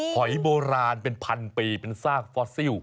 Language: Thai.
หอยโบราณเป็นพันปีเป็นซากฟอสซิล